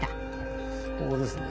ここですね。